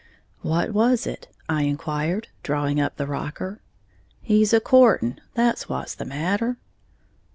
"What was it?" I inquired, drawing up the rocker. "He's a courting, that's what's the matter."